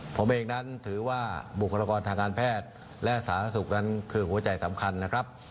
ผมเองนั้นถือว่าบุคลากรทางการแพทย์และสาธารณสุขนั้นคือหัวใจสำคัญนะครับ